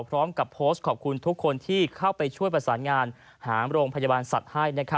พร้อมกับโพสต์ขอบคุณทุกคนที่เข้าไปช่วยประสานงานหาโรงพยาบาลสัตว์ให้